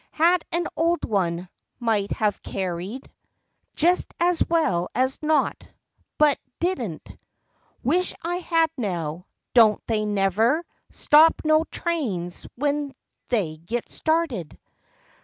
Had an old one, might have carried 54 FACTS AND FANCIES. Jest as well as not, but did n't— Wisht I had, now. Don't they never Stop no trains when they git started?